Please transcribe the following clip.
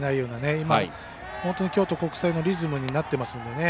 今、本当に京都国際のリズムになっていますからね